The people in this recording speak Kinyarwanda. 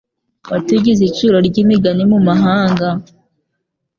Watugize iciro ry’imigani mu mahanga